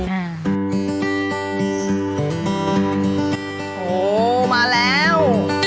โหมาแล้ว